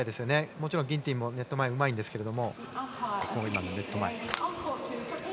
もちろんギンティンもネット前うまいんですけど。